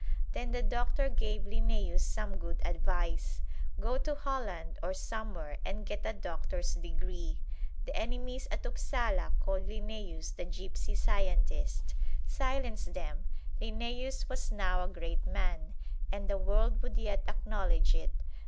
Then the Doctor gave Linnæus some good advice go to Holland or somewhere and get a doctor's degree. The enemies at Upsala called Linnæus "the gypsy scientist." Silence them Linnæus was now a great man, and the world would yet acknowledge it.